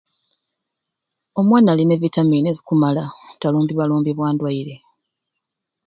Omwana alina e vitamini ezikumala talumbibwa lumbibwa ndwaire.